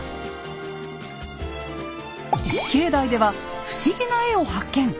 境内では不思議な絵を発見。